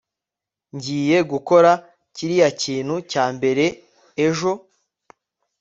Ngiye gukora kiriya kintu cya mbere ejo